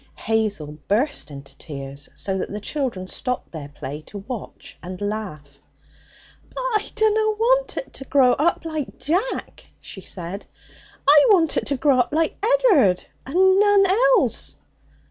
Hazel burst into tears, so that the children stopped their play to watch and laugh. 'But I dunna want it to grow up like Jack,' she said. 'I want it to grow up like Ed'ard, and none else!'